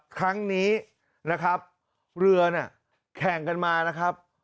ครั้งนี้เรือน่ะแข่งกันมานะครับ